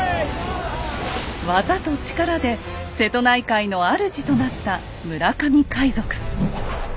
技と力で瀬戸内海の主となった村上海賊。